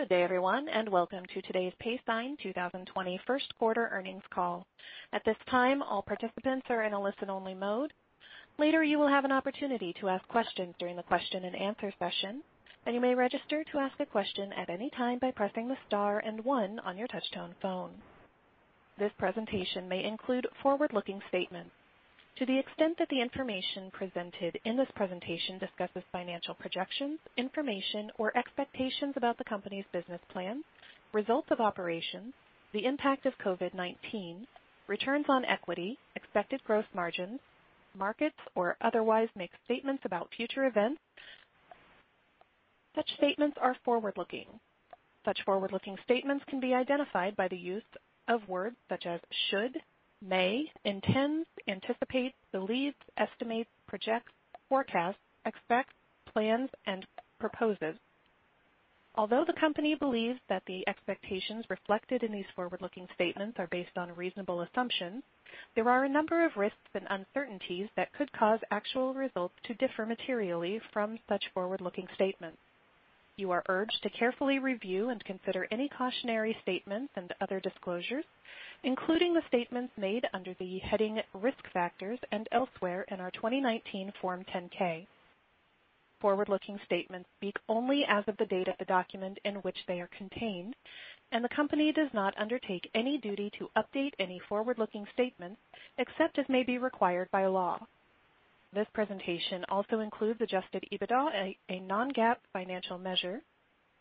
Good day, everyone, welcome to today's Paysign 2020 first quarter earnings call. At this time, all participants are in a listen-only mode. Later, you will have an opportunity to ask questions during the question-and answer-session, you may register to ask a question at any time by pressing the star and one on your touch-tone phone. This presentation may include forward-looking statements. To the extent that the information presented in this presentation discusses financial projections, information, or expectations about the company's business plans, results of operations, the impact of COVID-19, returns on equity, expected gross margins, markets, or otherwise makes statements about future events, such statements are forward-looking. Such forward-looking statements can be identified by the use of words such as should, may, intends, anticipate, believes, estimates, projects, forecasts, expects, plans, and proposes. Although the company believes that the expectations reflected in these forward-looking statements are based on a reasonable assumption, there are a number of risks and uncertainties that could cause actual results to differ materially from such forward-looking statements. You are urged to carefully review and consider any cautionary statements and other disclosures, including the statements made under the heading Risk Factors and elsewhere in our 2019 Form 10-K. Forward-looking statements speak only as of the date of the document in which they are contained, and the company does not undertake any duty to update any forward-looking statements except as may be required by law. This presentation also includes adjusted EBITDA, a non-GAAP financial measure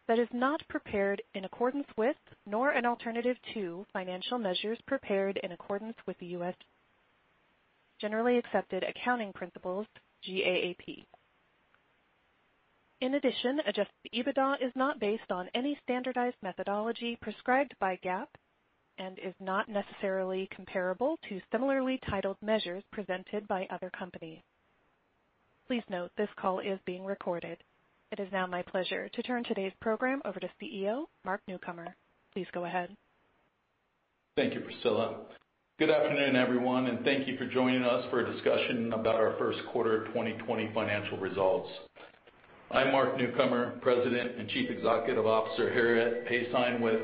that is not prepared in accordance with, nor an alternative to, financial measures prepared in accordance with the U.S. Generally Accepted Accounting Principles, GAAP. In addition, adjusted EBITDA is not based on any standardized methodology prescribed by GAAP and is not necessarily comparable to similarly titled measures presented by other companies. Please note this call is being recorded. It is now my pleasure to turn today's program over to CEO, Mark Newcomer. Please go ahead. Thank you, Priscilla. Good afternoon, everyone, and thank you for joining us for a discussion about our first quarter 2020 financial results. I'm Mark Newcomer, President and Chief Executive Officer here at Paysign. With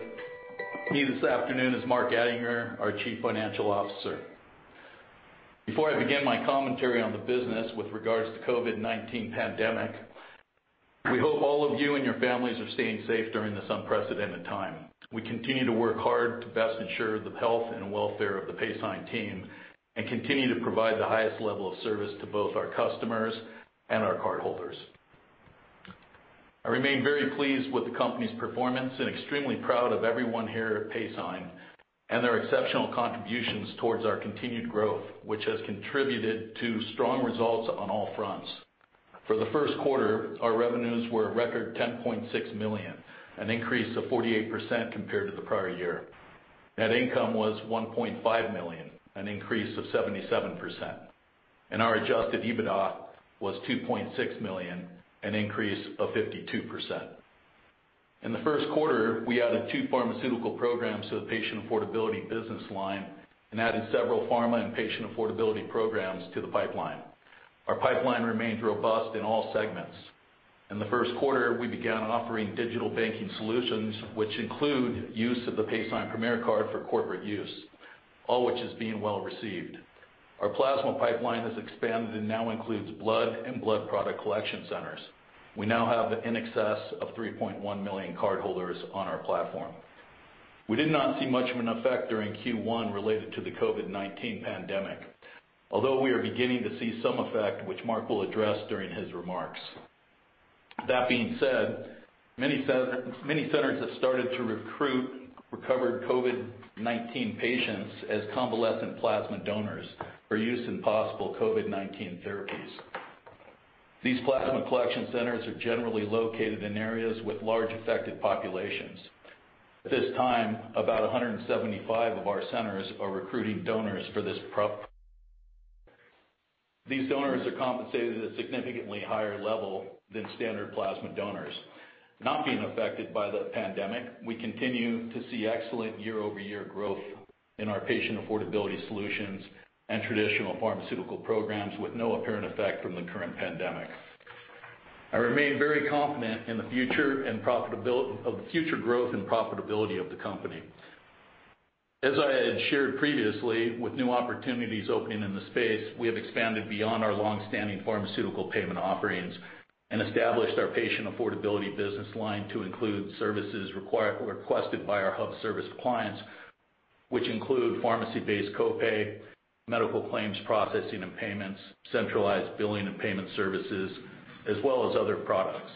me this afternoon is Mark Attinger, our Chief Financial Officer. Before I begin my commentary on the business with regards to COVID-19 pandemic, we hope all of you and your families are staying safe during this unprecedented time. We continue to work hard to best ensure the health and welfare of the Paysign team and continue to provide the highest level of service to both our customers and our cardholders. I remain very pleased with the company's performance and extremely proud of everyone here at Paysign and their exceptional contributions towards our continued growth, which has contributed to strong results on all fronts. For the first quarter, our revenues were a record $10.6 million, an increase of 48% compared to the prior year. Net income was $1.5 million, an increase of 77%, and our adjusted EBITDA was $2.6 million, an increase of 52%. In the first quarter, we added two pharmaceutical programs to the patient affordability business line and added several pharma and patient affordability programs to the pipeline. Our pipeline remains robust in all segments. In the first quarter, we began offering digital banking solutions, which include use of the Paysign Premier card for corporate use, all which is being well received. Our plasma pipeline has expanded and now includes blood and blood product collection centers. We now have in excess of 3.1 million cardholders on our platform. We did not see much of an effect during Q1 related to the COVID-19 pandemic, although we are beginning to see some effect, which Mark will address during his remarks. That being said, many centers have started to recruit recovered COVID-19 patients as convalescent plasma donors for use in possible COVID-19 therapies. These plasma collection centers are generally located in areas with large affected populations. At this time, about 175 of our centers are recruiting donors for this program. These donors are compensated at a significantly higher level than standard plasma donors. Not being affected by the pandemic, we continue to see excellent year-over-year growth in our Patient Affordability Solutions and traditional pharmaceutical programs with no apparent effect from the current pandemic. I remain very confident of the future growth and profitability of the company. As I had shared previously, with new opportunities opening in the space, we have expanded beyond our longstanding pharmaceutical payment offerings and established our Patient Affordability business line to include services requested by our hub service clients, which include pharmacy-based co-pay, medical claims processing and payments, centralized billing and payment services, as well as other products.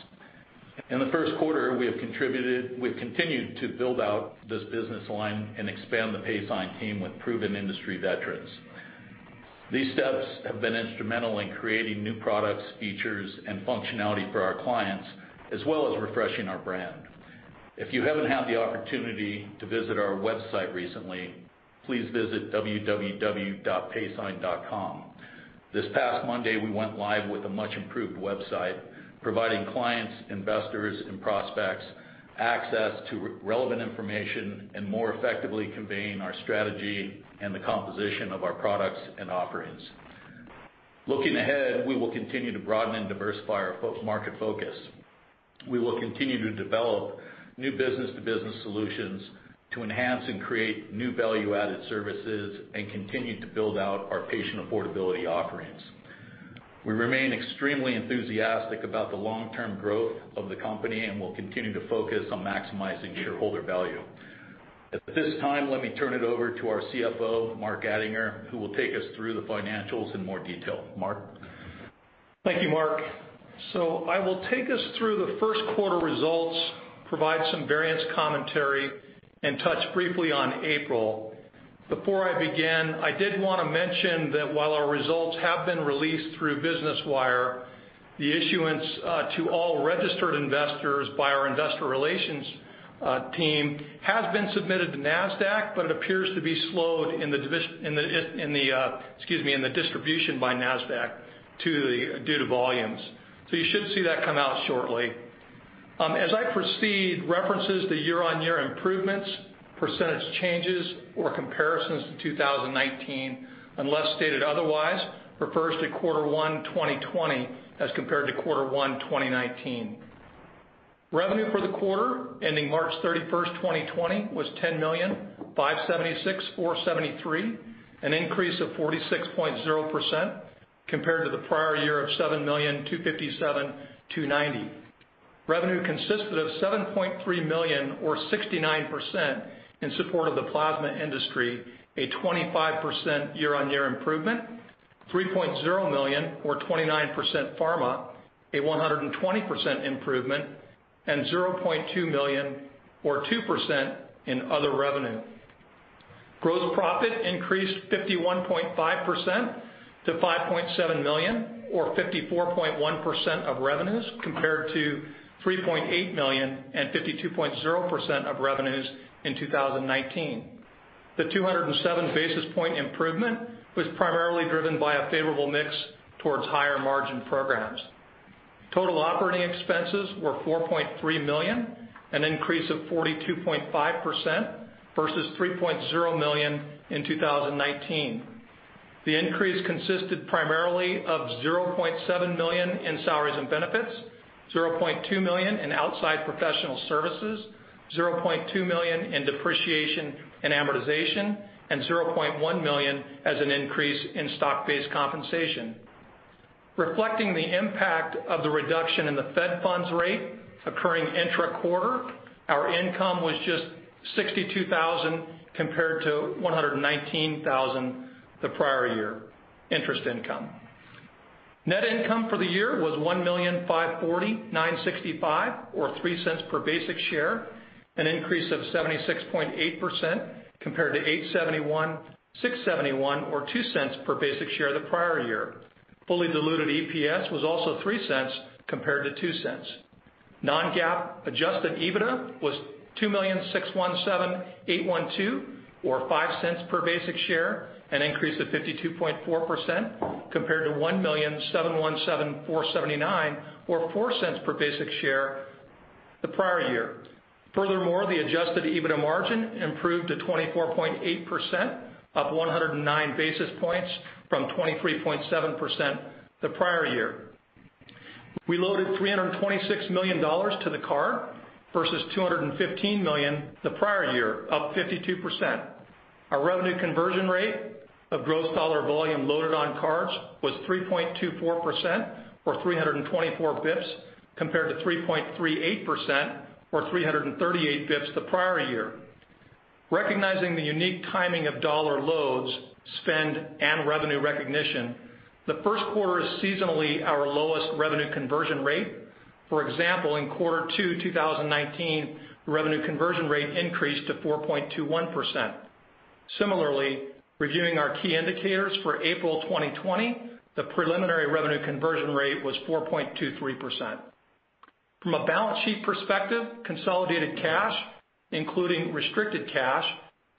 In the first quarter, we've continued to build out this business line and expand the Paysign team with proven industry veterans. These steps have been instrumental in creating new products, features, and functionality for our clients, as well as refreshing our brand. If you haven't had the opportunity to visit our website recently, please visit www.paysign.com. This past Monday, we went live with a much-improved website providing clients, investors, and prospects access to relevant information and more effectively conveying our strategy and the composition of our products and offerings. Looking ahead, we will continue to broaden and diversify our market focus. We will continue to develop new business-to-business solutions to enhance and create new value-added services and continue to build out our Patient Affordability offerings. We remain extremely enthusiastic about the long-term growth of the company, and we'll continue to focus on maximizing shareholder value. At this time, let me turn it over to our CFO, Mark Attinger, who will take us through the financials in more detail. Mark? Thank you, Mark. I will take us through the first quarter results, provide some variance commentary, and touch briefly on April. Before I begin, I did want to mention that while our results have been released through Business Wire, the issuance to all registered investors by our investor relations team has been submitted to Nasdaq, but it appears to be slowed in the division, excuse me, in the distribution by Nasdaq due to volumes. You should see that come out shortly. As I proceed, references to year-on-year improvements, percentage changes, or comparisons to 2019, unless stated otherwise, refers to Quarter one 2020 as compared to Quarter one 2019. Revenue for the quarter ending March 31st, 2020, was $10,576,473, an increase of 46.0% compared to the prior year of $7,257,290. Revenue consisted of $7.3 million, or 69%, in support of the plasma industry, a 25% year-on-year improvement, $3.0 million or 29% pharma, a 120% improvement, and $0.2 million or 2% in other revenue. Gross profit increased 51.5% to $5.7 million or 54.1% of revenues compared to $3.8 million and 52.0% of revenues in 2019. The 207 basis point improvement was primarily driven by a favorable mix towards higher margin programs. Total operating expenses were $4.3 million, an increase of 42.5% versus $3.0 million in 2019. The increase consisted primarily of $0.7 million in salaries and benefits, $0.2 million in outside professional services, $0.2 million in depreciation and amortization, and $0.1 million as an increase in stock-based compensation. Reflecting the impact of the reduction in the Fed funds rate occurring intra-quarter, our income was just $62,000 compared to $119,000 the prior year interest income. Net income for the year was $1,540,965, or $0.03 per basic share, an increase of 76.8% compared to $871,671, or $0.02 per basic share the prior year. Fully diluted EPS was also $0.03 compared to $0.02. Non-GAAP adjusted EBITDA was $2,617,812, or $0.05 per basic share, an increase of 52.4% compared to $1,717,479, or $0.04 per basic share the prior year. The adjusted EBITDA margin improved to 24.8%, up 109 basis points from 23.7% the prior year. We loaded $326 million to the card versus $215 million the prior year, up 52%. Our revenue conversion rate of gross dollar volume loaded on cards was 3.24%, or 324 basis points, compared to 3.38%, or 338 basis points the prior year. Recognizing the unique timing of dollar loads, spend, and revenue recognition, the first quarter is seasonally our lowest revenue conversion rate. For example, in quarter two 2019, the revenue conversion rate increased to 4.21%. Similarly, reviewing our key indicators for April 2020, the preliminary revenue conversion rate was 4.23%. From a balance sheet perspective, consolidated cash, including restricted cash,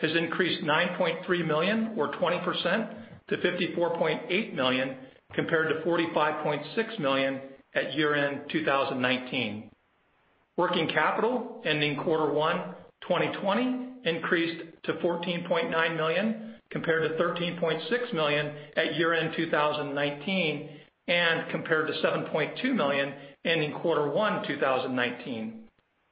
has increased $9.3 million or 20% to $54.8 million compared to $45.6 million at year-end 2019. Working capital ending quarter one 2020 increased to $14.9 million compared to $13.6 million at year-end 2019 and compared to $7.2 million ending quarter one 2019.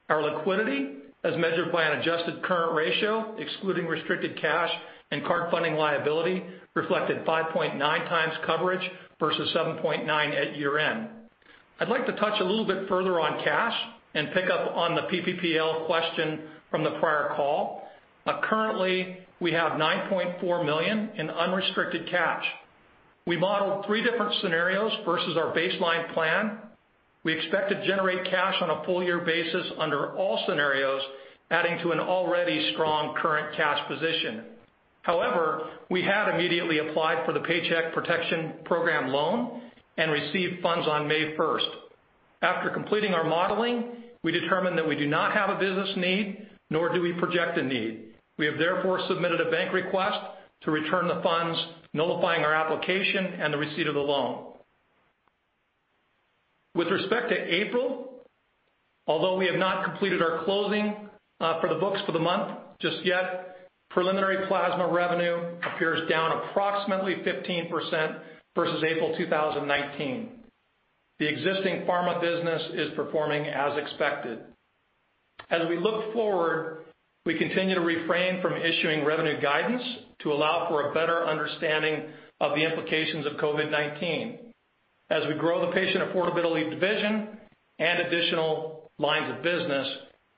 Our liquidity, as measured by an adjusted current ratio excluding restricted cash and card funding liability, reflected 5.9x coverage versus 7.9x at year-end. I'd like to touch a little bit further on cash and pick up on the PPP question from the prior call. Currently, we have $9.4 million in unrestricted cash. We modeled three different scenarios versus our baseline plan. We expect to generate cash on a full-year basis under all scenarios, adding to an already strong current cash position. However, we had immediately applied for the Paycheck Protection Program loan and received funds on May 1st. After completing our modeling, we determined that we do not have a business need, nor do we project a need. We have therefore submitted a bank request to return the funds, nullifying our application and the receipt of the loan. With respect to April, although we have not completed our closing for the books for the month just yet, preliminary plasma revenue appears down approximately 15% versus April 2019. The existing pharma business is performing as expected. As we look forward, we continue to refrain from issuing revenue guidance to allow for a better understanding of the implications of COVID-19. As we grow the patient affordability division and additional lines of business,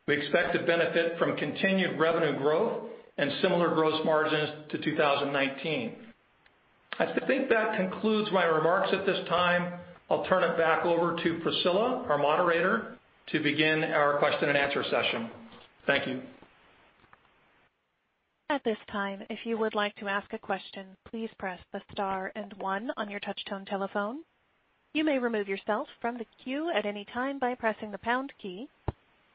we expect to benefit from continued revenue growth and similar gross margins to 2019. I think that concludes my remarks at this time. I'll turn it back over to Priscilla, our moderator, to begin our question and answer session. Thank you. At this time, if you would like to ask a question, please press the star and one on your touchtone telephone. You may remove yourself from the queue at any time by pressing the pound key.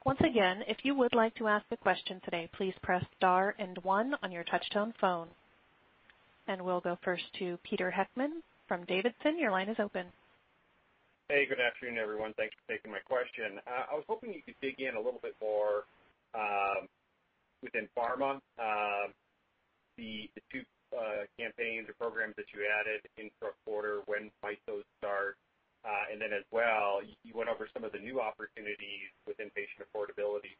Once again, if you would like to ask a question today, please press star and one on your touch-tone phone. We'll go first to Peter Heckmann from Davidson. Your line is open. Hey, good afternoon, everyone. Thanks for taking my question. I was hoping you could dig in a little bit more within pharma, the two campaigns or programs that you added in first quarter, when might those start? As well, you went over some of the new opportunities within Patient Affordability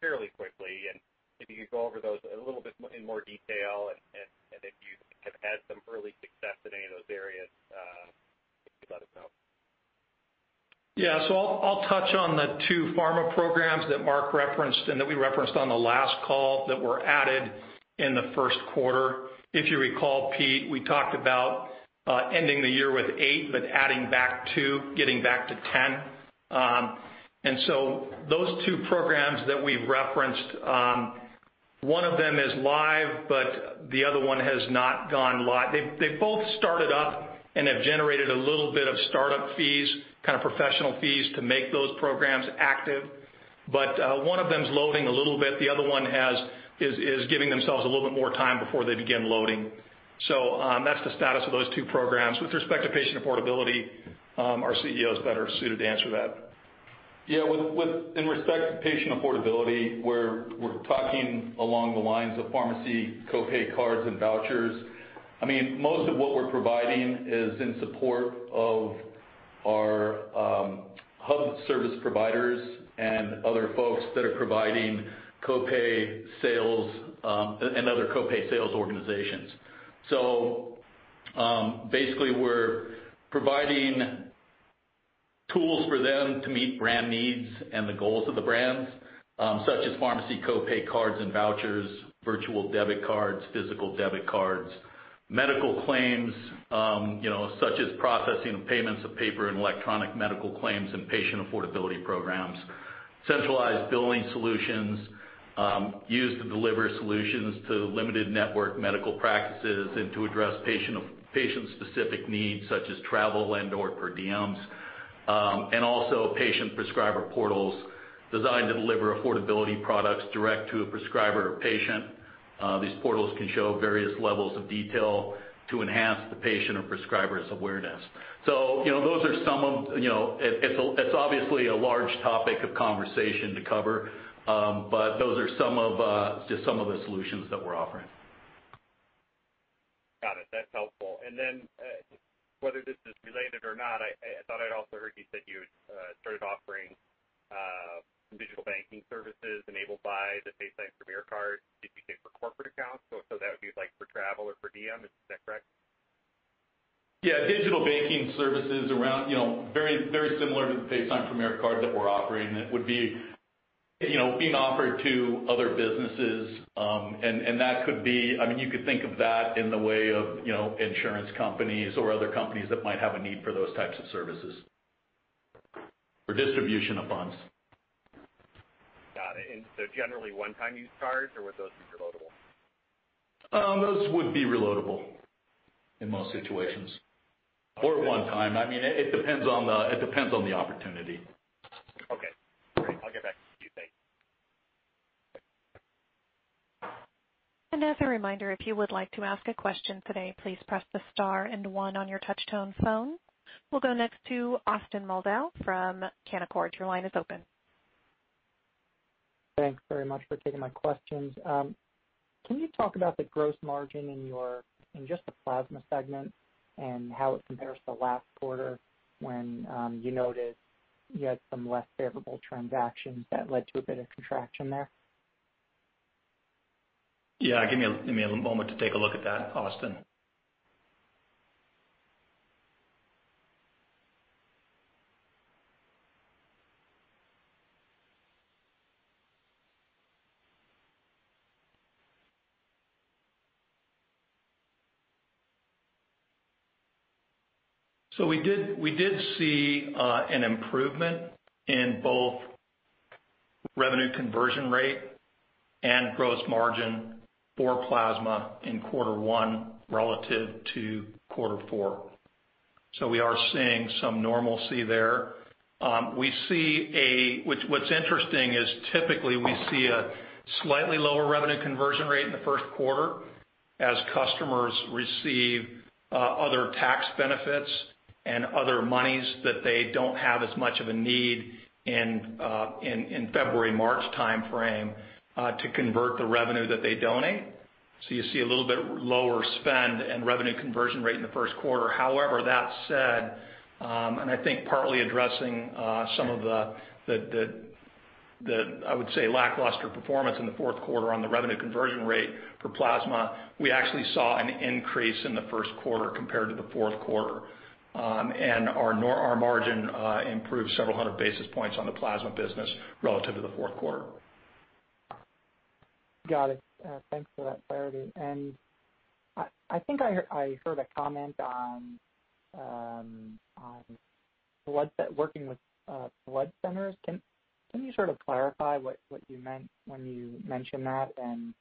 fairly quickly, and if you could go over those a little bit in more detail, and if you have had some early success in any of those areas, if you could let us know. Yeah. I'll touch on the two pharma programs that Mark referenced and that we referenced on the last call that were added in the first quarter. If you recall, Pete, we talked about ending the year with eight, but adding back two, getting back to 10. Those two programs that we referenced, one of them is live, but the other one has not gone live. They've both started up and have generated a little bit of startup fees and professional fees to make those programs active. One of them is loading a little bit, the other is giving themselves a little bit more time before they begin loading. That's the status of those two programs. With respect to Patient Affordability, our CEO is better suited to answer that. In respect to Patient Affordability, we're talking along the lines of pharmacy co-pay cards and vouchers. Most of what we're providing is in support of our hub service providers and other folks that are providing co-pay sales and other co-pay sales organizations. Basically, we're providing tools for them to meet brand needs and the goals of the brands, such as pharmacy co-pay cards and vouchers, virtual debit cards, physical debit cards, medical claims such as processing of payments of paper and electronic medical claims and Patient Affordability programs, centralized billing solutions used to deliver solutions to limited network medical practices and to address patient-specific needs such as travel and/or per diems, and also patient prescriber portals designed to deliver affordability products direct to a prescriber or patient. These portals can show various levels of detail to enhance the patient's or prescriber's awareness. It's obviously a large topic of conversation to cover, but those are just some of the solutions that we're offering. Got it. That's helpful. Whether this is related or not, I thought I'd also heard you said you had started offering some digital banking services enabled by the Paysign Premier card, did you say for corporate accounts? That would be like for travel or per diem, is that correct? Digital banking services are very similar to the Paysign Premier card that we're offering. That would be being offered to other businesses. You could think of that in the way of insurance companies or other companies that might have a need for those types of services for the distribution of funds. Got it. Generally, one-time use cards, or would those be reloadable? Those would be reloadable in most situations or one-time. It depends on the opportunity. Okay, great. I'll get back to you. Thanks. As a reminder, if you would like to ask a question today, please press the star and one on your touch-tone phone. We'll go next to Austin Moldow from Canaccord. Your line is open. Thanks very much for taking my questions. Can you talk about the gross margin in just the plasma segment and how it compares to last quarter, when you noted you had some less favorable transactions that led to a bit of contraction there? Yeah, give me a moment to take a look at that, Austin. We did see an improvement in both revenue conversion rate and gross margin for plasma in quarter one relative to quarter four. We are seeing some normalcy there. What's interesting is typically we see a slightly lower revenue conversion rate in the first quarter As customers receive other tax benefits and other monies that they don't have as much of a need in February, March timeframe to convert the revenue that they donate. You see a little bit lower spend and revenue conversion rate in the first quarter. However, that said, and I think partly addressing some of the, I would say, lackluster performance in the fourth quarter on the revenue conversion rate for plasma, we actually saw an increase in the first quarter compared to the fourth quarter. Our margin improved several hundred basis points on the plasma business relative to the fourth quarter. Got it. Thanks for that clarity. I think I heard a comment on working with blood centers. Can you sort of clarify what you meant when you mentioned that, and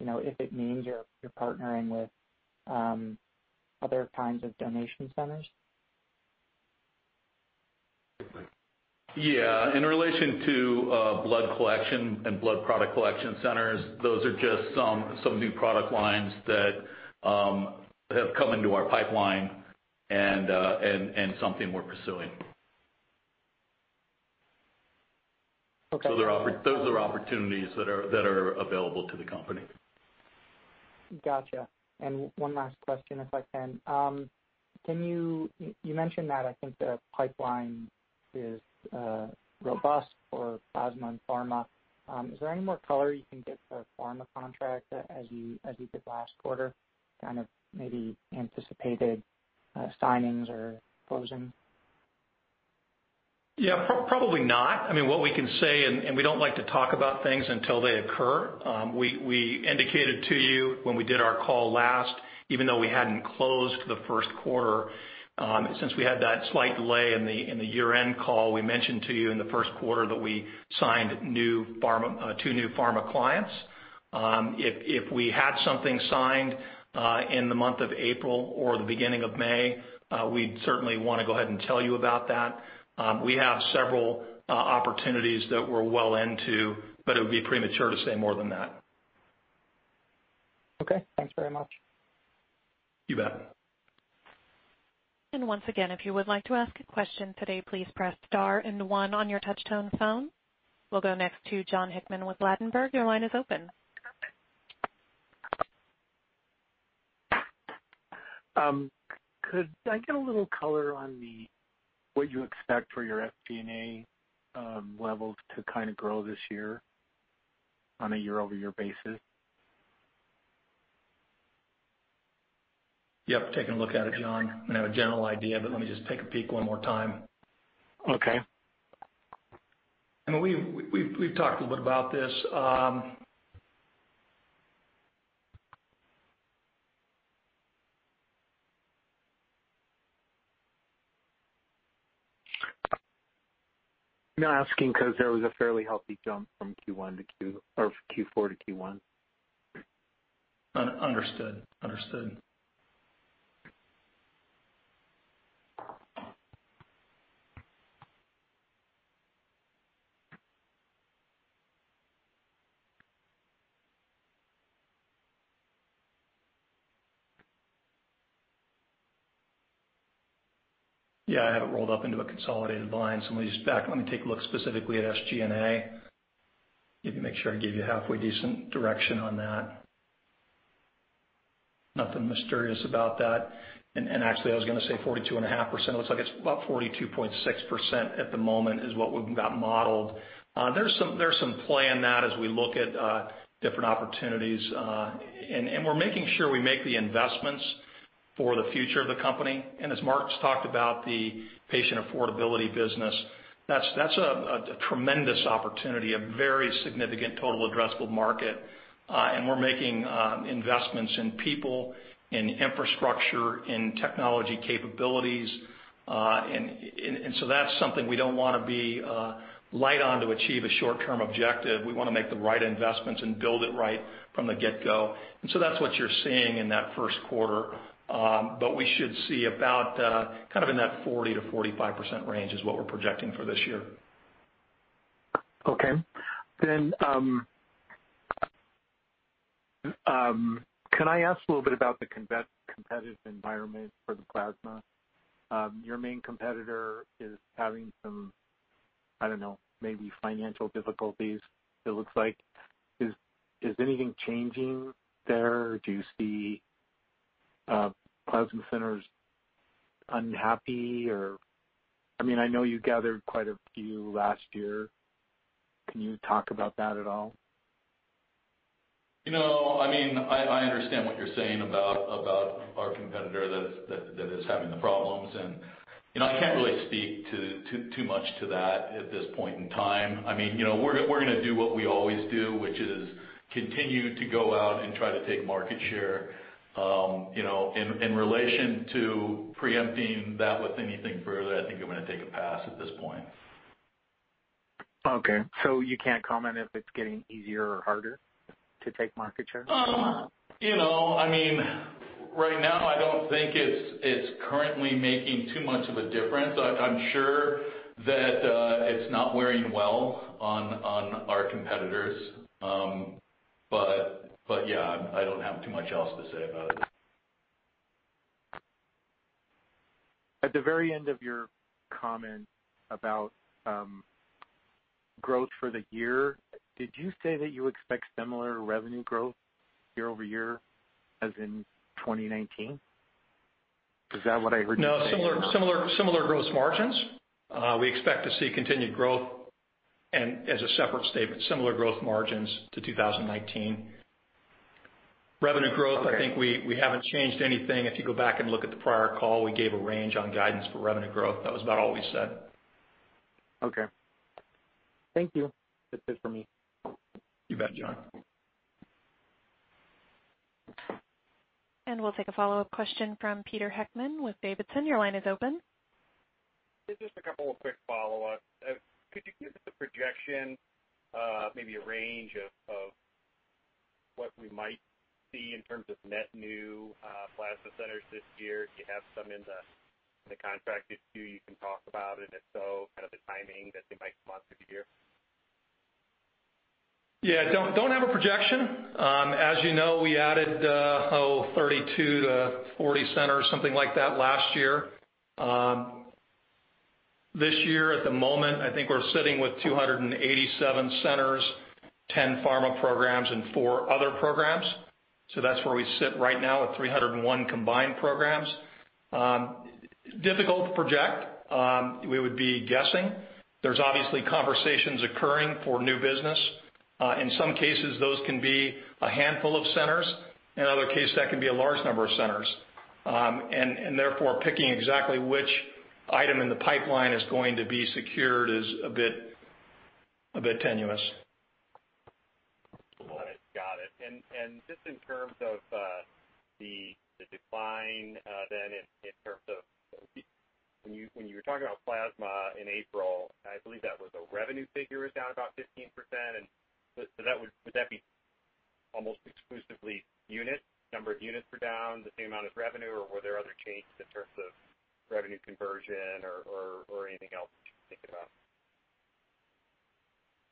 if it means you're partnering with other kinds of donation centers? Yeah. In relation to blood collection and blood product collection centers, those are just some new product lines that have come into our pipeline and something we're pursuing. Okay. Those are opportunities that are available to the company. Got you. One last question, if I can. You mentioned that, I think, the pipeline is robust for plasma and pharma. Is there any more color you can give for the pharma contract as you did last quarter, kind of maybe anticipated signings or closings? Probably not. What we can say, and we don't like to talk about things until they occur, we indicated to you when we did our call last, even though we hadn't closed the first quarter, since we had that slight delay in the year-end call, we mentioned to you in the first quarter that we signed two new pharma clients. If we had something signed in the month of April or the beginning of May, we'd certainly want to go ahead and tell you about that. We have several opportunities that we're well into, but it would be premature to say more than that. Okay. Thanks very much. You bet. Once again, if you would like to ask a question today, please press star and one on your touch-tone phone. We'll go next to Jon Hickman with Ladenburg. Your line is open. Could I get a little color on what you expect for your SG&A levels to kind of grow this year on a year-over-year basis? Yep, taking a look at it, Jon. I have a general idea, but let me just take a peek one more time. Okay. We've talked a little bit about this. I'm asking because there was a fairly healthy jump from Q4 to Q1. Understood. I have it rolled up into a consolidated line. Let me take a look specifically at SG&A. Need to make sure I give you halfway decent direction on that. Nothing mysterious about that. Actually, I was going to say 42.5%. It looks like it's about 42.6% at the moment is what we've got modeled. There's some play in that as we look at different opportunities. We're making sure we make the investments for the future of the company. As Mark talked about, the patient affordability business, that's a tremendous opportunity, a very significant total addressable market. We're making investments in people, in infrastructure, in technology capabilities. That's something we don't want to be light on to achieve a short-term objective. We want to make the right investments and build it right from the get-go. That's what you're seeing in that first quarter. We should see about the kind of in that 40%-45% range is what we're projecting for this year. Okay. Can I ask a little bit about the competitive environment for the plasma? Your main competitor is having some, I don't know, maybe financial difficulties it looks like. Is anything changing there? Do you see plasma centers unhappy? I know you gathered quite a few last year. Can you talk about that at all? I understand what you're saying about our competitor that is having the problems, and I can't really speak too much to that at this point in time. We're going to do what we always do, which continue to go out and try to take market share. In relation to preempting that with anything further, I think I'm going to take a pass at this point. Okay. You can't comment if it's getting easier or harder to take market share? Right now, I don't think it's currently making too much of a difference. I'm sure that it's not wearing well on our competitors. Yeah, I don't have too much else to say about it. At the very end of your comment about growth for the year, did you say that you expect similar revenue growth year-over-year as in 2019? Is that what I heard you say? No, similar gross margins. We expect to see continued growth and as a separate statement, similar gross margins to 2019. Okay. I think we haven't changed anything. If you go back and look at the prior call, we gave a range on guidance for revenue growth. That was about all we said. Okay. Thank you. That's it for me. You bet, Jon. We'll take a follow-up question from Peter Heckmann with Davidson. Your line is open. Just a couple of quick follow-ups. Could you give us a projection, maybe a range, of what we might see in terms of net new plasma centers this year? Do you have some in the contracted queue you can talk about? If so, the timing that they might come on through the year? Don't have a projection. As you know, we added 32-40 centers, something like that last year. This year, at the moment, I think we're sitting with 287 centers, 10 pharma programs, and four other programs. That's where we sit right now with 301 combined programs. Difficult to project. We would be guessing. There's obviously conversations occurring for new business. In some cases, those can be a handful of centers. In other cases, that can be a large number of centers. Therefore, picking exactly which item in the pipeline is going to be secured is a bit tenuous. All right, got it. Just in terms of the decline then in terms of when you were talking about plasma in April, I believe that was a revenue figure is down about 15%. Would that be almost exclusively unit, number of units were down the same amount as revenue? Were there other changes in terms of revenue conversion or anything else that you can think about?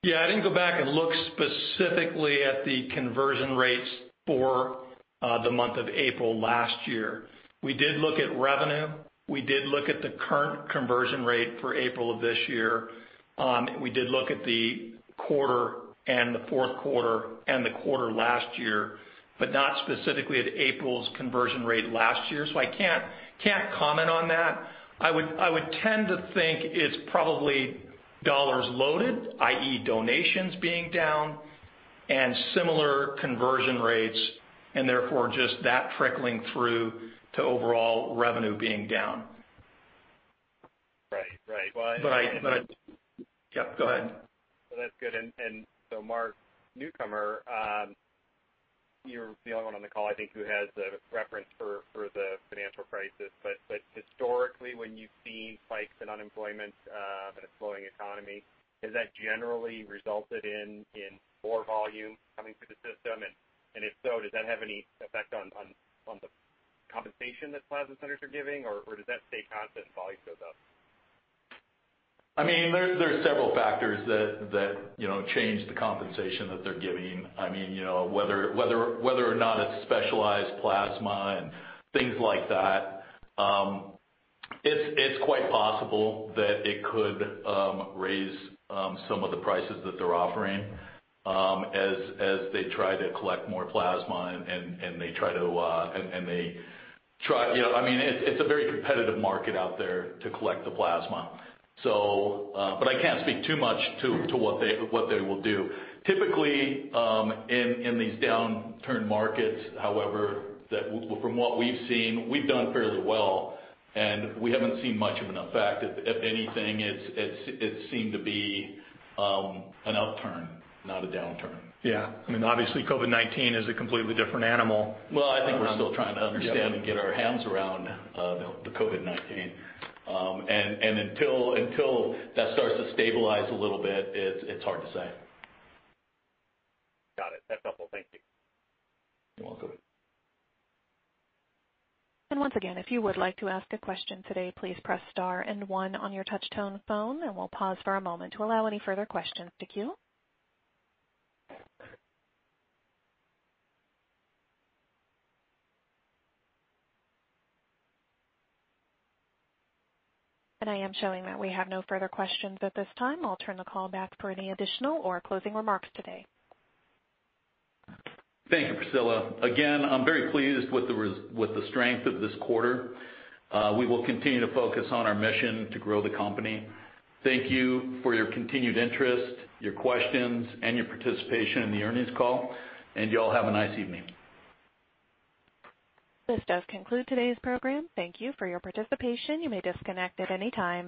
Yeah, I didn't go back and look specifically at the conversion rates for the month of April last year. We did look at revenue. We did look at the current conversion rate for April of this year. We did look at the quarter and the fourth quarter and the quarter last year, but not specifically at April's conversion rate last year. I can't comment on that. I would tend to think it's probably dollars loaded, i.e., donations being down and similar conversion rates, and therefore, just that trickling through to overall revenue being down. Right. Well. Yep, go ahead. Well, that's good. Mark Newcomer, you're the only one on the call, I think, who has a reference for the financial crisis. Historically, when you've seen spikes in unemployment, but a flowing economy, has that generally resulted in more volume coming through the system? If so, does that have any effect on the compensation that plasma centers are giving, or does that stay constant as volume goes up? There are several factors that change the compensation that they're giving. Whether or not it's specialized plasma and things like that, it's quite possible that it could raise some of the prices that they're offering as they try to collect more plasma. It's a very competitive market out there to collect the plasma. I can't speak too much to what they will do. Typically, in these downturn markets, however, from what we've seen, we've done fairly well, and we haven't seen much of an effect. If anything, it seemed to be an upturn, not a downturn. Yeah. Obviously, COVID-19 is a completely different animal. Well, I think we're still trying to understand and get our heads around the COVID-19. Until that starts to stabilize a little bit, it's hard to say. Got it. That's helpful. Thank you. You're welcome. Once again, if you would like to ask a question today, please press star and one on your touch-tone phone, and we'll pause for a moment to allow any further questions to queue. I am showing that we have no further questions at this time. I'll turn the call back for any additional or closing remarks today. Thank you, Priscilla. Again, I'm very pleased with the strength of this quarter. We will continue to focus on our mission to grow the company. Thank you for your continued interest, your questions, and your participation in the earnings call. You all have a nice evening. This does conclude today's program. Thank you for your participation. You may disconnect at any time.